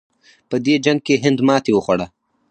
په دې جنګ کې هند ماتې وخوړه.